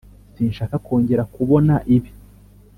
sinshaka kongera kubona ibi.